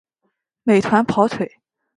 美团跑腿